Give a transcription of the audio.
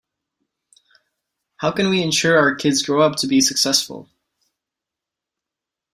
How can we ensure our kids grow up to be successful?